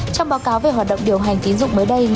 trong báo cáo về hoạt động điều hành tín dụng mới đây